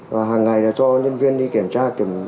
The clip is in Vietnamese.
và hàng ngày cho nhân viên đi kiểm tra